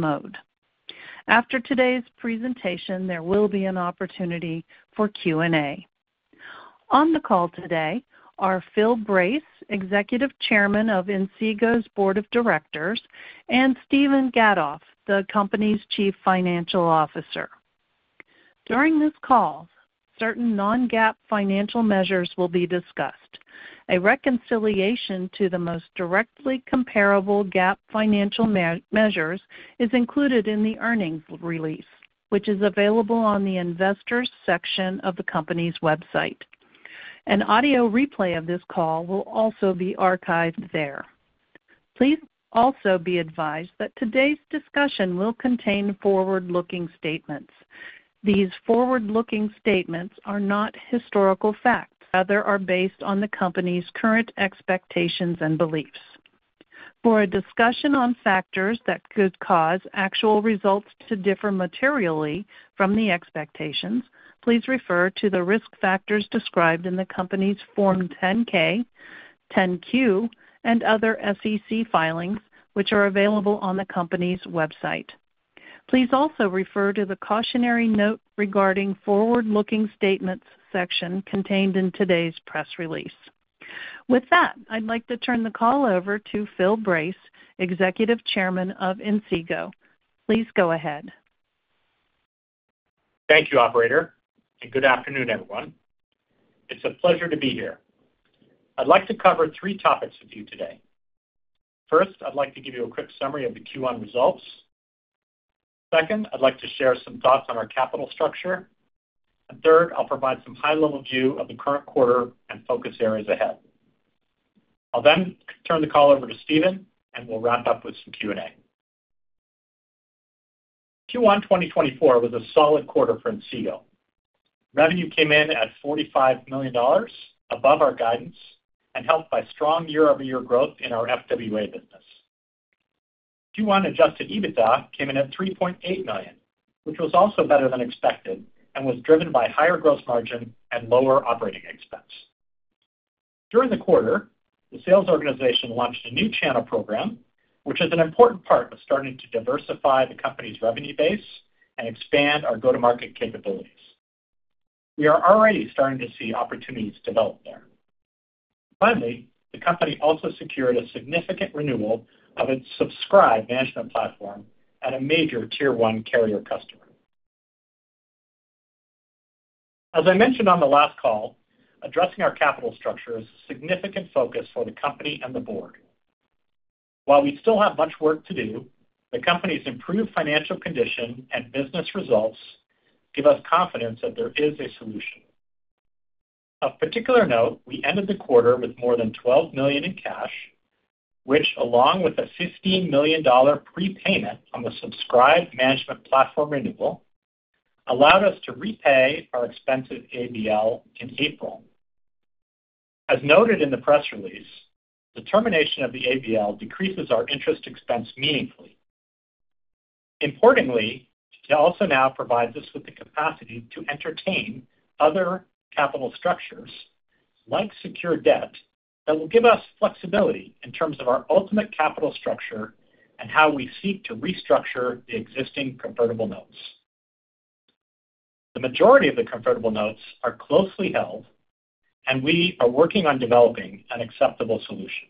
Mode. After today's presentation, there will be an opportunity for Q&A. On the call today are Phil Brace, Executive Chairman of Inseego's Board of Directors, and Steven Gatoff, the company's Chief Financial Officer. During this call, certain non-GAAP financial measures will be discussed. A reconciliation to the most directly comparable GAAP financial measures is included in the earnings release, which is available on the Investors section of the company's website. An audio replay of this call will also be archived there. Please also be advised that today's discussion will contain forward-looking statements. These forward-looking statements are not historical facts. Rather, they are based on the company's current expectations and beliefs. For a discussion on factors that could cause actual results to differ materially from the expectations, please refer to the risk factors described in the company's Form 10-K, 10-Q, and other SEC filings, which are available on the company's website. Please also refer to the cautionary note regarding forward-looking statements section contained in today's press release. With that, I'd like to turn the call over to Phil Brace, Executive Chairman of Inseego. Please go ahead. Thank you, Operator, and good afternoon, everyone. It's a pleasure to be here. I'd like to cover three topics with you today. First, I'd like to give you a quick summary of the Q1 results. Second, I'd like to share some thoughts on our capital structure. And third, I'll provide some high-level view of the current quarter and focus areas ahead. I'll then turn the call over to Steven, and we'll wrap up with some Q&A. Q1 2024 was a solid quarter for Inseego. Revenue came in at $45 million above our guidance and helped by strong year-over-year growth in our FWA business. Q1 Adjusted EBITDA came in at $3.8 million, which was also better than expected and was driven by higher gross margin and lower operating expense. During the quarter, the sales organization launched a new channel program, which is an important part of starting to diversify the company's revenue base and expand our go-to-market capabilities. We are already starting to see opportunities develop there. Finally, the company also secured a significant renewal of its subscriber management platform at a major Tier 1 carrier customer. As I mentioned on the last call, addressing our capital structure is a significant focus for the company and the board. While we still have much work to do, the company's improved financial condition and business results give us confidence that there is a solution. Of particular note, we ended the quarter with more than $12 million in cash, which, along with a $16 million prepayment on the subscriber management platform renewal, allowed us to repay our expensive ABL in April. As noted in the press release, the termination of the ABL decreases our interest expense meaningfully. Importantly, it also now provides us with the capacity to entertain other capital structures like secured debt that will give us flexibility in terms of our ultimate capital structure and how we seek to restructure the existing convertible notes. The majority of the convertible notes are closely held, and we are working on developing an acceptable solution.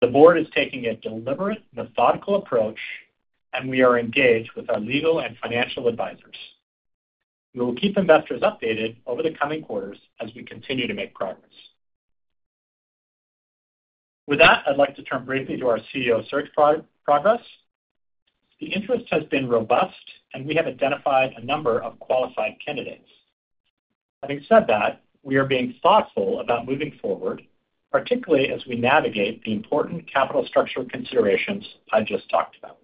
The board is taking a deliberate, methodical approach, and we are engaged with our legal and financial advisors. We will keep investors updated over the coming quarters as we continue to make progress. With that, I'd like to turn briefly to our CEO search progress. The interest has been robust, and we have identified a number of qualified candidates. Having said that, we are being thoughtful about moving forward, particularly as we navigate the important capital structure considerations I just talked about.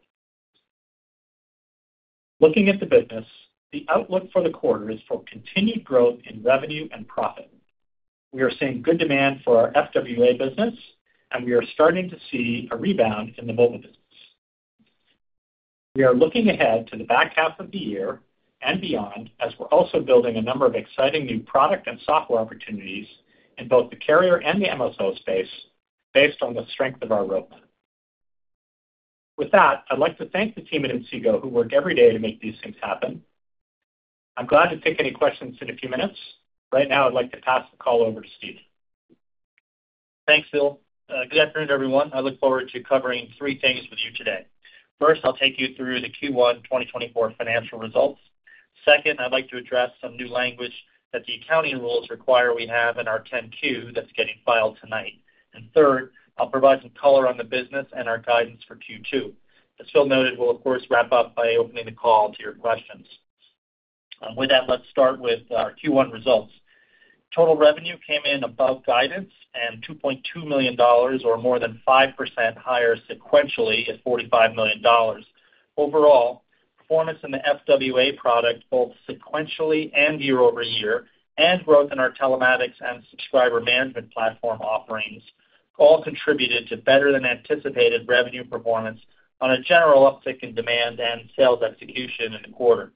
Looking at the business, the outlook for the quarter is for continued growth in revenue and profit. We are seeing good demand for our FWA business, and we are starting to see a rebound in the mobile business. We are looking ahead to the back half of the year and beyond as we're also building a number of exciting new product and software opportunities in both the carrier and the MSO space based on the strength of our roadmap. With that, I'd like to thank the team at Inseego who work every day to make these things happen. I'm glad to take any questions in a few minutes. Right now, I'd like to pass the call over to Steven. Thanks, Phil. Good afternoon, everyone. I look forward to covering three things with you today. First, I'll take you through the Q1 2024 financial results. Second, I'd like to address some new language that the accounting rules require we have in our 10-Q that's getting filed tonight. And third, I'll provide some color on the business and our guidance for Q2. As Phil noted, we'll, of course, wrap up by opening the call to your questions. With that, let's start with our Q1 results. Total revenue came in above guidance and $2.2 million or more than 5% higher sequentially at $45 million. Overall, performance in the FWA product, both sequentially and year-over-year, and growth in our telematics and subscriber management platform offerings all contributed to better-than-anticipated revenue performance on a general uptick in demand and sales execution in the quarter.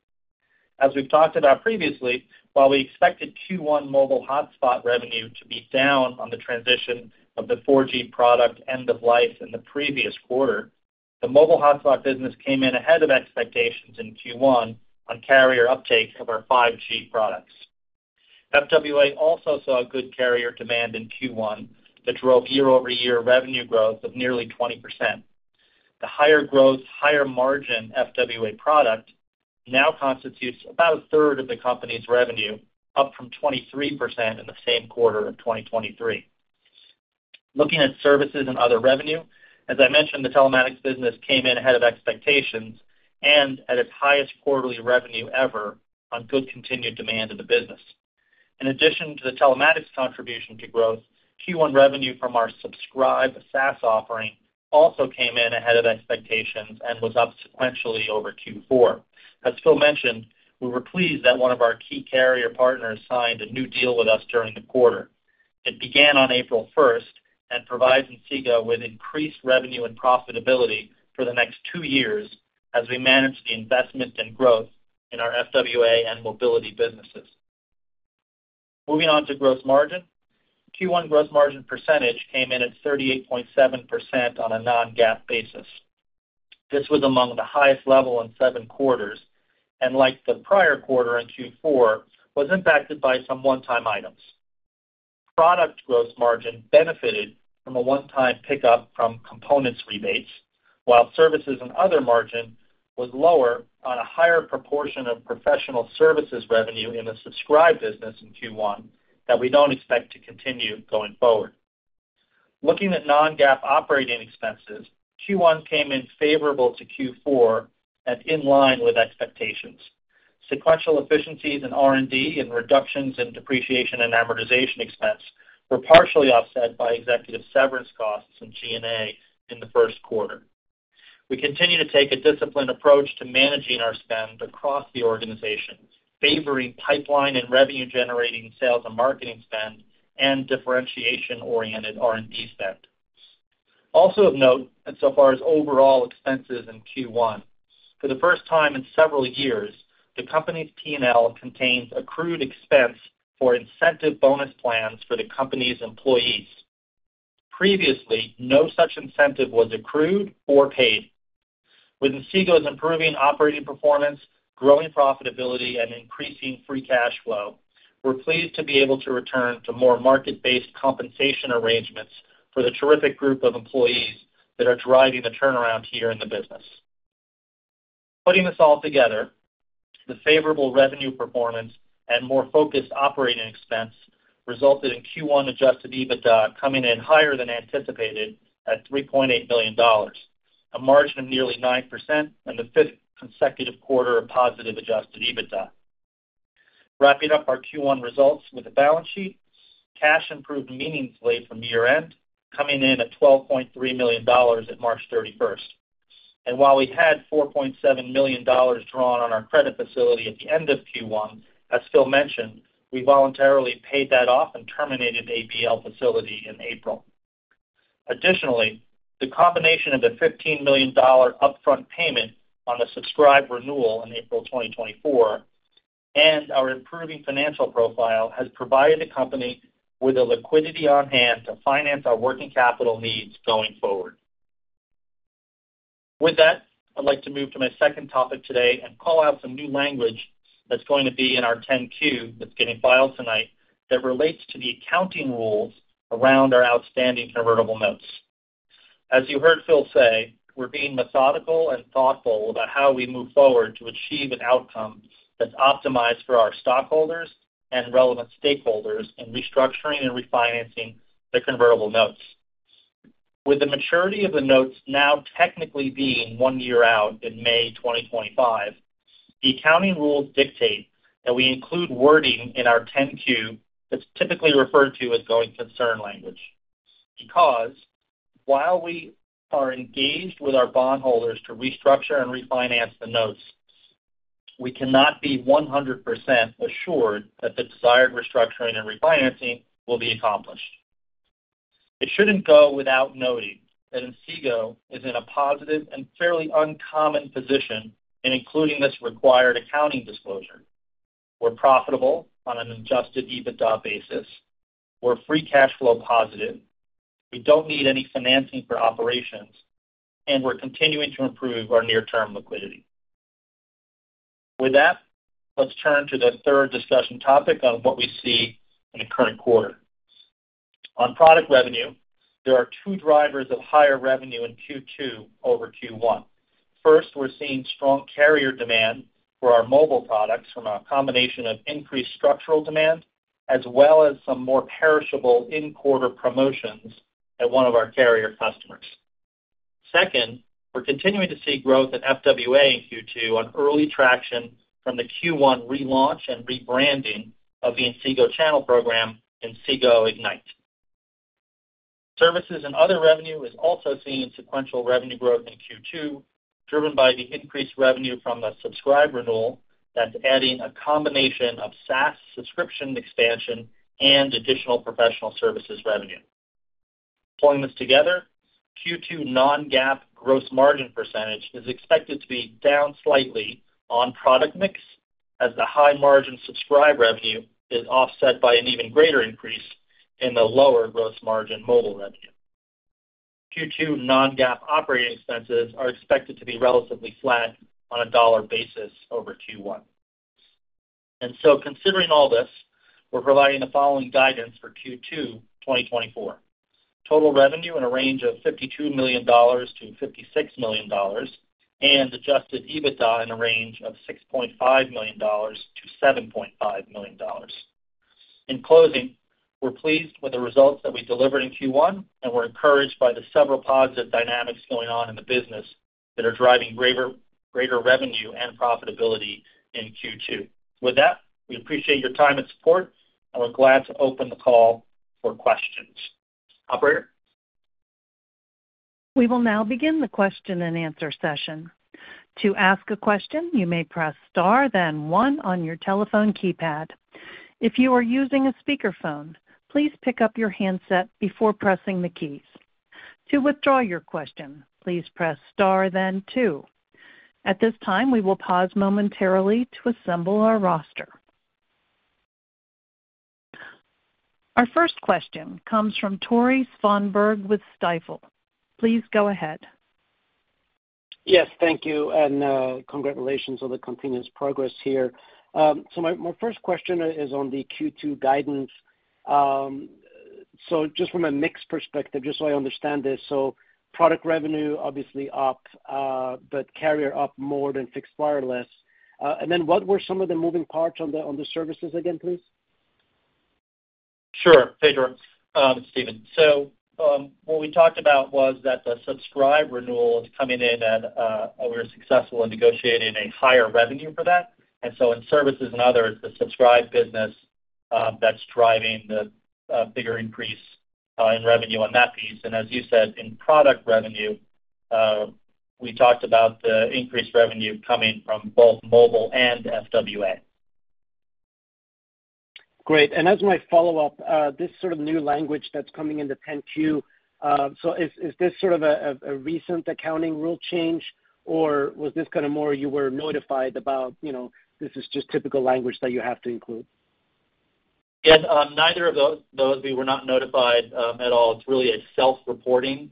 As we've talked about previously, while we expected Q1 mobile hotspot revenue to be down on the transition of the 4G product end-of-life in the previous quarter, the mobile hotspot business came in ahead of expectations in Q1 on carrier uptake of our 5G products. FWA also saw good carrier demand in Q1 that drove year-over-year revenue growth of nearly 20%. The higher-growth, higher-margin FWA product now constitutes about a third of the company's revenue, up from 23% in the same quarter of 2023. Looking at services and other revenue, as I mentioned, the telematics business came in ahead of expectations and at its highest quarterly revenue ever on good continued demand in the business. In addition to the telematics contribution to growth, Q1 revenue from our subscriber SaaS offering also came in ahead of expectations and was up sequentially over Q4. As Phil mentioned, we were pleased that one of our key carrier partners signed a new deal with us during the quarter. It began on April 1st and provides Inseego with increased revenue and profitability for the next two years as we manage the investment and growth in our FWA and mobility businesses. Moving on to gross margin, Q1 gross margin percentage came in at 38.7% on a non-GAAP basis. This was among the highest level in seven quarters and, like the prior quarter in Q4, was impacted by some one-time items. Product gross margin benefited from a one-time pickup from components rebates, while services and other margin was lower on a higher proportion of professional services revenue in the subscriber business in Q1 that we don't expect to continue going forward. Looking at non-GAAP operating expenses, Q1 came in favorable to Q4 and in line with expectations. Sequential efficiencies in R&D and reductions in depreciation and amortization expense were partially offset by executive severance costs and G&A in the first quarter. We continue to take a disciplined approach to managing our spend across the organization, favoring pipeline and revenue-generating sales and marketing spend and differentiation-oriented R&D spend. Also of note, as far as overall expenses in Q1, for the first time in several years, the company's P&L contains accrued expense for incentive bonus plans for the company's employees. Previously, no such incentive was accrued or paid. With Inseego's improving operating performance, growing profitability, and increasing free cash flow, we're pleased to be able to return to more market-based compensation arrangements for the terrific group of employees that are driving the turnaround here in the business. Putting this all together, the favorable revenue performance and more focused operating expense resulted in Q1 Adjusted EBITDA coming in higher than anticipated at $3.8 million, a margin of nearly 9% in the fifth consecutive quarter of positive Adjusted EBITDA. Wrapping up our Q1 results with a balance sheet, cash improved meaningfully from year-end, coming in at $12.3 million at March 31st. And while we had $4.7 million drawn on our credit facility at the end of Q1, as Phil mentioned, we voluntarily paid that off and terminated ABL facility in April. Additionally, the combination of the $15 million upfront payment on the subscriber renewal in April 2024 and our improving financial profile has provided the company with the liquidity on hand to finance our working capital needs going forward. With that, I'd like to move to my second topic today and call out some new language that's going to be in our 10-Q that's getting filed tonight that relates to the accounting rules around our outstanding convertible notes. As you heard Phil say, we're being methodical and thoughtful about how we move forward to achieve an outcome that's optimized for our stockholders and relevant stakeholders in restructuring and refinancing the convertible notes. With the maturity of the notes now technically being one year out in May 2025, the accounting rules dictate that we include wording in our 10-Q that's typically referred to as going concern language. Because while we are engaged with our bondholders to restructure and refinance the notes, we cannot be 100% assured that the desired restructuring and refinancing will be accomplished. It shouldn't go without noting that Inseego is in a positive and fairly uncommon position in including this required accounting disclosure. We're profitable on an Adjusted EBITDA basis. We're free cash flow positive. We don't need any financing for operations, and we're continuing to improve our near-term liquidity. With that, let's turn to the third discussion topic on what we see in the current quarter. On product revenue, there are two drivers of higher revenue in Q2 over Q1. First, we're seeing strong carrier demand for our mobile products from a combination of increased structural demand as well as some more perishable in-quarter promotions at one of our carrier customers. Second, we're continuing to see growth in FWA in Q2 on early traction from the Q1 relaunch and rebranding of the Inseego channel program, Inseego Ignite. Services and other revenue is also seeing sequential revenue growth in Q2 driven by the increased revenue from the subscriber renewal that's adding a combination of SaaS subscription expansion and additional professional services revenue. Pulling this together, Q2 non-GAAP gross margin percentage is expected to be down slightly on product mix as the high-margin subscriber revenue is offset by an even greater increase in the lower gross margin mobile revenue. Q2 non-GAAP operating expenses are expected to be relatively flat on a dollar basis over Q1. And so considering all this, we're providing the following guidance for Q2 2024: total revenue in a range of $52 million-$56 million and Adjusted EBITDA in a range of $6.5 million-$7.5 million. In closing, we're pleased with the results that we delivered in Q1 and were encouraged by the several positive dynamics going on in the business that are driving greater revenue and profitability in Q2. With that, we appreciate your time and support, and we're glad to open the call for questions. Operator? We will now begin the question and answer session. To ask a question, you may press star, then one on your telephone keypad. If you are using a speakerphone, please pick up your handset before pressing the keys. To withdraw your question, please press star, then two. At this time, we will pause momentarily to assemble our roster. Our first question comes from Tore Svanberg with Stifel. Please go ahead. Yes, thank you. Congratulations on the continuous progress here. So my first question is on the Q2 guidance. So just from a mixed perspective, just so I understand this, so product revenue obviously up, but carrier up more than fixed wireless. And then what were some of the moving parts on the services again, please? Sure, Tore. It's Steven. So what we talked about was that the subscriber renewal is coming in at we were successful in negotiating a higher revenue for that. And so in services and others, the subscribe business that's driving the bigger increase in revenue on that piece. And as you said, in product revenue, we talked about the increased revenue coming from both mobile and FWA. Great. As my follow-up, this sort of new language that's coming in the 10-Q, so is this sort of a recent accounting rule change, or was this kind of more you were notified about this is just typical language that you have to include? Yes, neither of those. We were not notified at all. It's really a self-reporting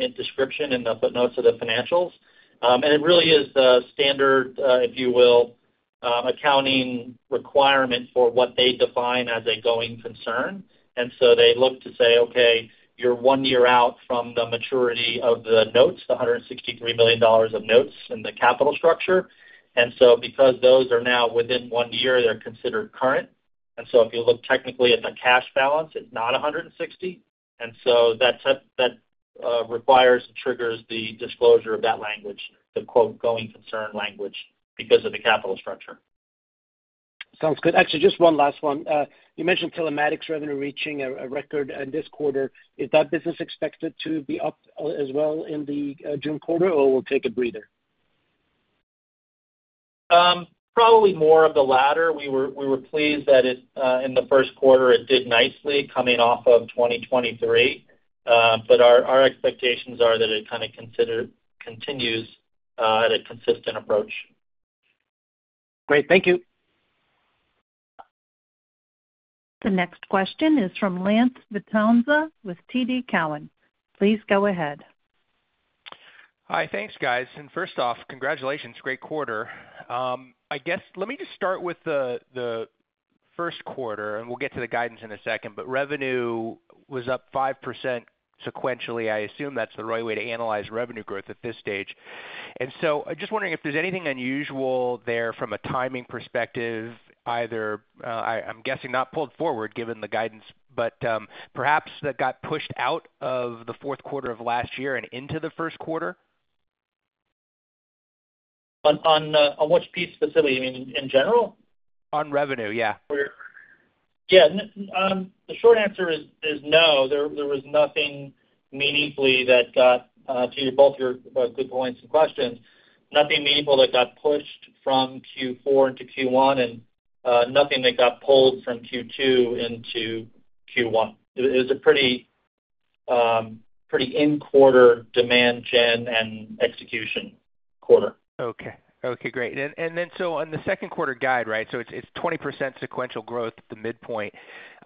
in description in the footnotes of the financials. And it really is the standard, if you will, accounting requirement for what they define as a going concern. And so they look to say, "Okay, you're one year out from the maturity of the notes, the $163 million of notes in the capital structure." And so because those are now within one year, they're considered current. And so if you look technically at the cash balance, it's not $160 million. And so that requires and triggers the disclosure of that language, the "going concern" language because of the capital structure. Sounds good. Actually, just one last one. You mentioned telematics revenue reaching a record in this quarter. Is that business expected to be up as well in the June quarter, or we'll take a breather? Probably more of the latter. We were pleased that in the first quarter, it did nicely coming off of 2023. But our expectations are that it kind of continues at a consistent approach. Great. Thank you. The next question is from Lance Vitanza with TD Cowen. Please go ahead. Hi, thanks, guys. And first off, congratulations. Great quarter. I guess let me just start with the first quarter, and we'll get to the guidance in a second. But revenue was up 5% sequentially. I assume that's the right way to analyze revenue growth at this stage. And so I'm just wondering if there's anything unusual there from a timing perspective, either I'm guessing not pulled forward given the guidance, but perhaps that got pushed out of the fourth quarter of last year and into the first quarter? On which piece specifically? You mean in general? On revenue, yeah. Yeah. The short answer is no. There was nothing meaningfully that got to both your good points and questions. Nothing meaningful that got pushed from Q4 into Q1 and nothing that got pulled from Q2 into Q1. It was a pretty in-quarter demand gen and execution quarter. Okay. Okay, great. And then so on the second quarter guide, right, so it's 20% sequential growth at the midpoint.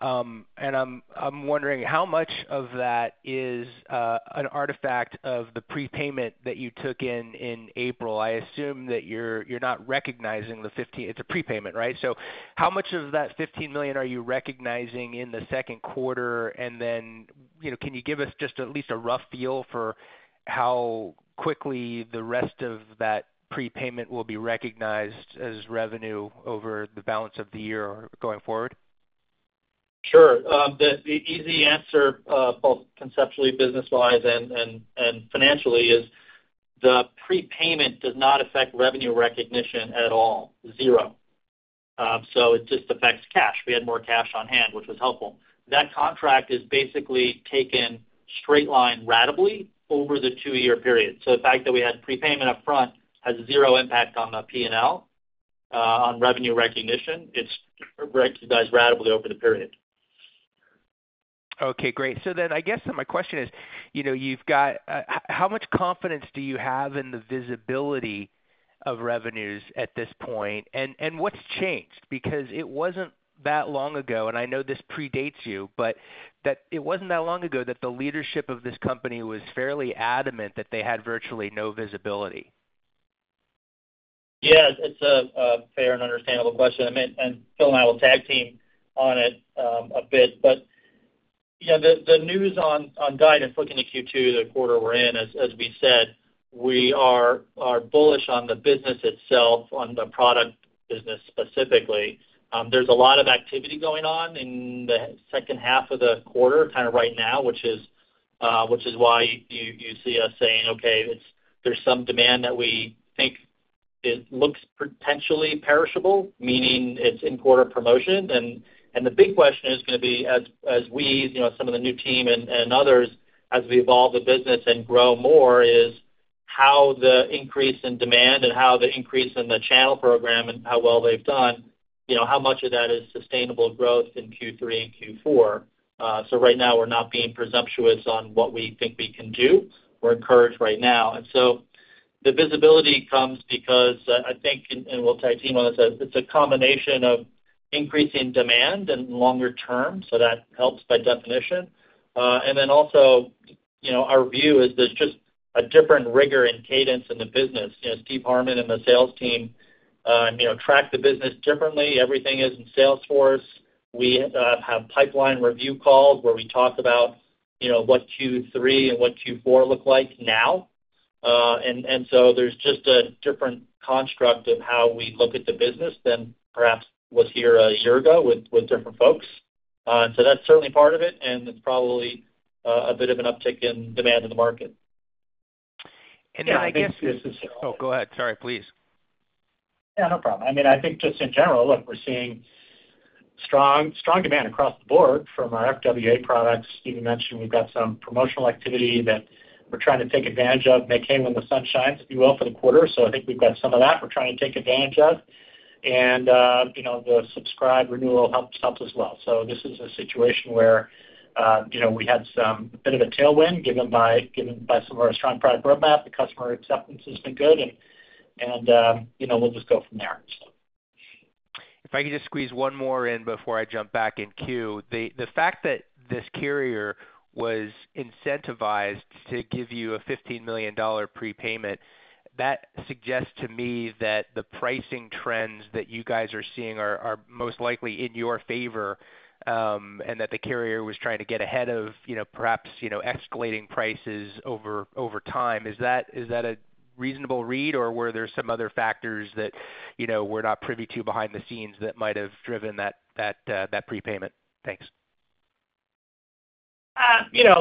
And I'm wondering how much of that is an artifact of the prepayment that you took in in April. I assume that you're not recognizing the 15 it's a prepayment, right? So how much of that $15 million are you recognizing in the second quarter? And then can you give us just at least a rough feel for how quickly the rest of that prepayment will be recognized as revenue over the balance of the year going forward? Sure. The easy answer, both conceptually, business-wise, and financially, is the prepayment does not affect revenue recognition at all, zero. So it just affects cash. We had more cash on hand, which was helpful. That contract is basically taken straight-line ratably over the two-year period. So the fact that we had prepayment upfront has zero impact on the P&L, on revenue recognition. It's recognized ratably over the period. Okay, great. So then I guess my question is, you've got how much confidence do you have in the visibility of revenues at this point? And what's changed? Because it wasn't that long ago and I know this predates you, but it wasn't that long ago that the leadership of this company was fairly adamant that they had virtually no visibility. Yeah, it's a fair and understandable question. And Phil and I will tag team on it a bit. But the news on guidance looking to Q2, the quarter we're in, as we said, we are bullish on the business itself, on the product business specifically. There's a lot of activity going on in the second half of the quarter kind of right now, which is why you see us saying, "Okay, there's some demand that we think looks potentially perishable," meaning it's in-quarter promotion. And the big question is going to be, as we, as some of the new team and others, as we evolve the business and grow more, is how the increase in demand and how the increase in the channel program and how well they've done, how much of that is sustainable growth in Q3 and Q4. Right now, we're not being presumptuous on what we think we can do. We're encouraged right now. The visibility comes because I think, and we'll tag team on this, it's a combination of increasing demand and longer term. That helps by definition. Then also, our view is there's just a different rigor and cadence in the business. Steve Harmon and the sales team track the business differently. Everything is in Salesforce. We have pipeline review calls where we talk about what Q3 and what Q4 look like now. There's just a different construct of how we look at the business than perhaps was here a year ago with different folks. That's certainly part of it. It's probably a bit of an uptick in demand in the market. I guess. I think this is. Oh, go ahead. Sorry, please. Yeah, no problem. I mean, I think just in general, look, we're seeing strong demand across the board from our FWA products. Steven mentioned we've got some promotional activity that we're trying to take advantage of, make hay when the sun shines, if you will, for the quarter. So I think we've got some of that we're trying to take advantage of. And the subscriber renewal helps as well. So this is a situation where we had a bit of a tailwind given by some of our strong product roadmap. The customer acceptance has been good. And we'll just go from there, so. If I could just squeeze one more in before I jump back in queue. The fact that this carrier was incentivized to give you a $15 million prepayment, that suggests to me that the pricing trends that you guys are seeing are most likely in your favor and that the carrier was trying to get ahead of perhaps escalating prices over time. Is that a reasonable read, or were there some other factors that we're not privy to behind the scenes that might have driven that prepayment? Thanks.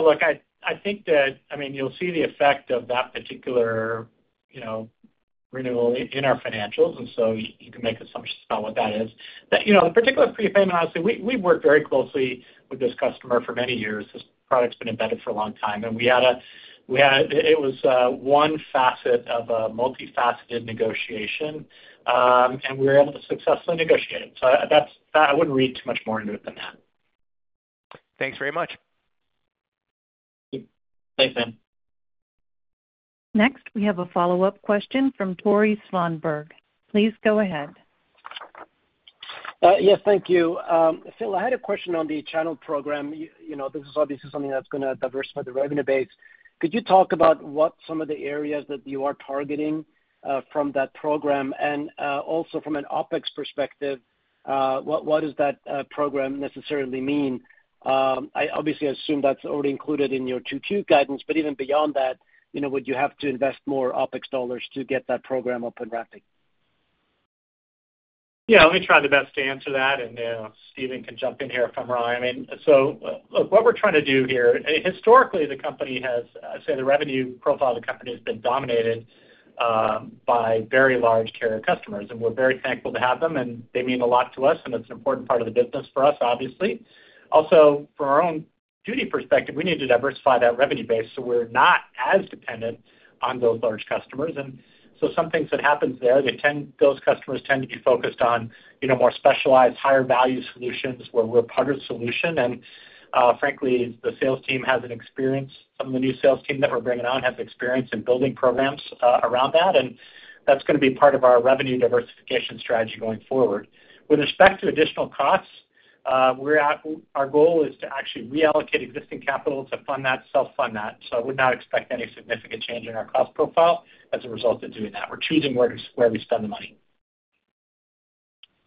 Look, I think that, I mean, you'll see the effect of that particular renewal in our financials. And so you can make assumptions about what that is. The particular prepayment, honestly, we've worked very closely with this customer for many years. This product's been embedded for a long time. And we had. It was one facet of a multifaceted negotiation. And we were able to successfully negotiate it. So I wouldn't read too much more into it than that. Thanks very much. Thanks, man. Next, we have a follow-up question from Tore Svanberg. Please go ahead. Yes, thank you. Phil, I had a question on the channel program. This is obviously something that's going to diversify the revenue base. Could you talk about what some of the areas that you are targeting from that program? And also from an OpEx perspective, what does that program necessarily mean? I obviously assume that's already included in your Q2 guidance. But even beyond that, would you have to invest more OpEx dollars to get that program up and wrapping? Yeah, let me try the best to answer that. And Steven can jump in here if I'm wrong. I mean, so look, what we're trying to do here, historically, the company has, I'd say, the revenue profile of the company has been dominated by very large carrier customers. And we're very thankful to have them. And they mean a lot to us. And it's an important part of the business for us, obviously. Also, from our own duty perspective, we need to diversify that revenue base. So we're not as dependent on those large customers. And so some things that happen there, those customers tend to be focused on more specialized, higher value solutions where we're part of the solution. And frankly, the sales team has an experience some of the new sales team that we're bringing on has experience in building programs around that. That's going to be part of our revenue diversification strategy going forward. With respect to additional costs, our goal is to actually reallocate existing capital to self-fund that. I would not expect any significant change in our cost profile as a result of doing that. We're choosing where we spend the money.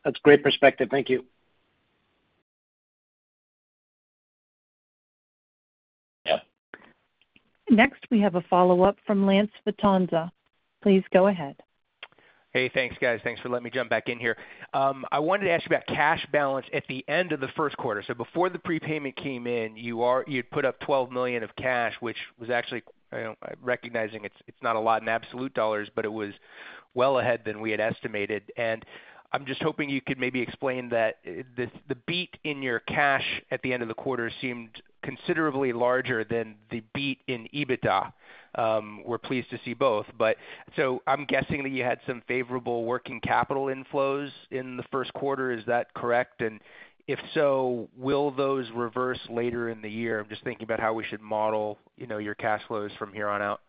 That's great perspective. Thank you. Yep. Next, we have a follow-up from Lance Vitanza. Please go ahead. Hey, thanks, guys. Thanks for letting me jump back in here. I wanted to ask you about cash balance at the end of the first quarter. So before the prepayment came in, you'd put up $12 million of cash, which was actually recognizing it's not a lot in absolute dollars, but it was well ahead than we had estimated. And I'm just hoping you could maybe explain that the beat in your cash at the end of the quarter seemed considerably larger than the beat in EBITDA. We're pleased to see both. So I'm guessing that you had some favorable working capital inflows in the first quarter. Is that correct? And if so, will those reverse later in the year? I'm just thinking about how we should model your cash flows from here on out.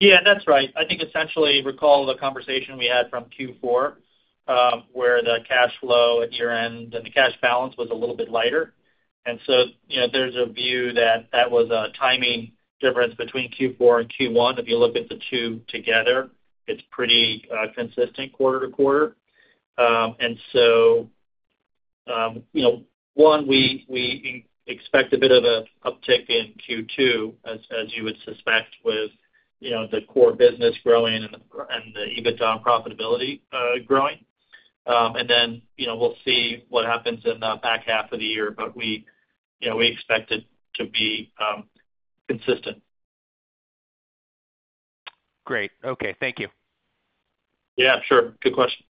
Yeah, that's right. I think essentially, recall the conversation we had from Q4 where the cash flow at year-end and the cash balance was a little bit lighter. And so there's a view that that was a timing difference between Q4 and Q1. If you look at the two together, it's pretty consistent quarter to quarter. And so one, we expect a bit of an uptick in Q2, as you would suspect, with the core business growing and the EBITDA and profitability growing. And then we'll see what happens in the back half of the year. But we expect it to be consistent. Great. Okay, thank you. Yeah, sure. Good question.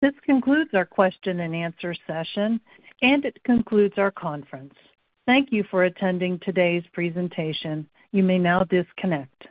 This concludes our question-and-answer session. It concludes our conference. Thank you for attending today's presentation. You may now disconnect.